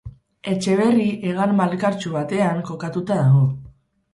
Etxeberri hegal malkartsu batean kokatua dago.